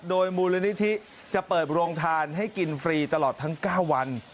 โดยมูลนิธิจะเปิดโรงทานให้กินฟรีตลอดทั้ง๙วัน